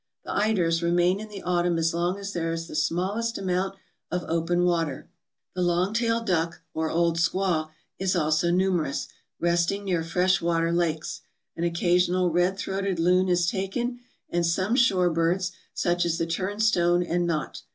The eiders remain in the autumn as long as there is the small est amount of open water. The long tailed duck, or old squaw, is also numerous, resting near fresh water lakes. An occasional redthroated loon is taken; and some shore birds, such as the turnstone and knot.